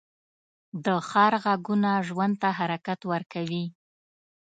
د ښار غږونه ژوند ته حرکت ورکوي